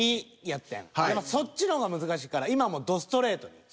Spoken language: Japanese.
やっぱそっちの方が難しいから今はもうどストレートに。